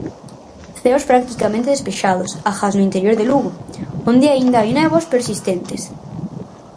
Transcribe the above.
Ceos practicamente despexados, agás no interior de Lugo, onde aínda hai néboas persistentes.